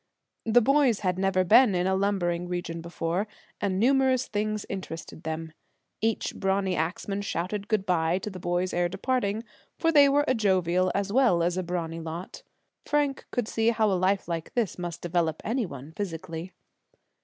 The boys had never been in a lumbering region before, and numerous things interested them. Each brawny axman shouted good by to the boys ere departing, for they were a jovial as well as a brawny lot. Frank could see how a life like this must develop any one physically.